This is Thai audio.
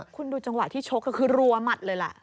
คุณดูจังหวะที่ชกก็คือรัวหมัดเลยล่ะ